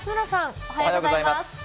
おはようございます。